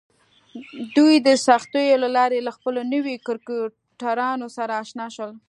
دوی د سختیو له لارې له خپلو نویو کرکټرونو سره اشنا شول